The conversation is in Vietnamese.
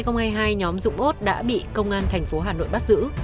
nhóm dũng út đã bị công an thành phố hà nội bắt giữ